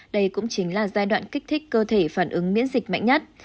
đây cũng chính là giai đoạn kích thích cơ thể phản ứng miễn dịch mạnh nhất